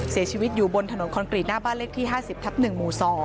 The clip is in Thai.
เสียชีวิตอยู่บนถนนคอนกรีตหน้าบ้านเลขที่๕๐ทับ๑หมู่๒